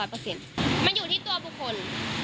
มันอยู่ที่ตัวบุคคล